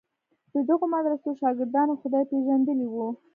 د دغو مدرسو شاګردانو خدای پېژندلی و.